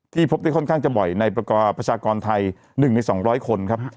พบได้ค่อนข้างจะบ่อยในประกอบประชากรไทย๑ใน๒๐๐คนครับ